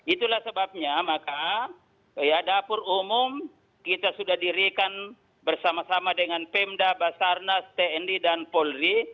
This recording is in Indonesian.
itulah sebabnya maka dapur umum kita sudah dirikan bersama sama dengan pemda basarnas tni dan polri